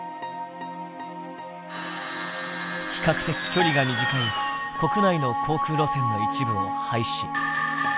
比較的距離が短い国内の航空路線の一部を廃止。